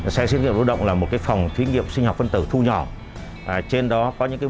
xe xét nghiệm lưu động là một cái phòng thí nghiệm sinh học phân tử thu nhỏ trên đó có những cái bộ